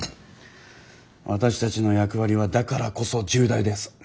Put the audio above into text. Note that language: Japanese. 私たちの役割はだからこそ重大です。